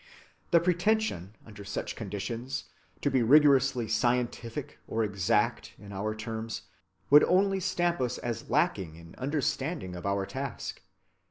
The pretension, under such conditions, to be rigorously "scientific" or "exact" in our terms would only stamp us as lacking in understanding of our task.